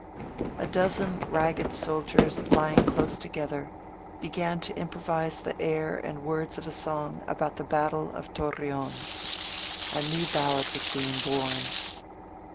A dozen ragged soldiers, lying close together, began to improvise the air and words of a song about the battle of Torreon — a new ballad was being born. .